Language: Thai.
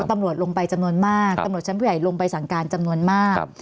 ตำรวจลงไปจำนวนมากตำรวจชั้นผู้ใหญ่ลงไปสั่งการจำนวนมาก